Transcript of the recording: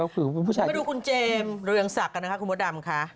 ไปดูคุณเจมส์เรื่องศักรรม์กันนะคะคุณโมดัมค่ะ